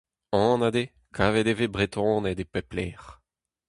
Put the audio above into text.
Anat eo : kavet e vez Bretoned e pep lec'h.